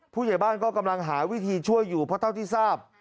ผู้ใหญ่บ้านก็กำลังหาวิธีช่วยอยู่เพราะเท่าที่ทราบ